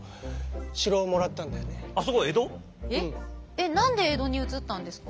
えっ何で江戸に移ったんですか？